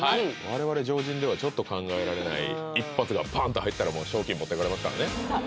我々常人ではちょっと考えられない一発がパンと入ったら賞金持ってかれますからねさあ